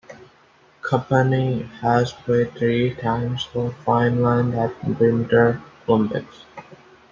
Kapanen has played three times for Finland at the Winter Olympics.